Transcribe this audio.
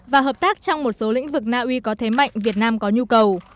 và hợp tác trong một số lĩnh vực na uy có thế mạnh việt nam có nhu cầu